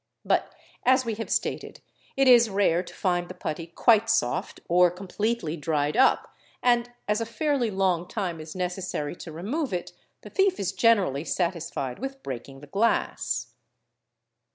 But, as we | have stated, it is rare to find the putty quite soft or completely dried up, : and as a fairly long time is necessary to remove it, the thief is generally 4 satisfied with breaking the glass.